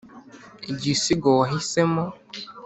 igisigo wahisemo,